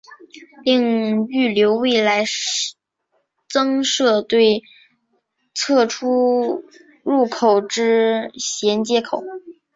另预留未来增设对侧出入口之衔接口。